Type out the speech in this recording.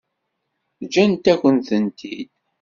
Ǧǧant-akent-tent-id.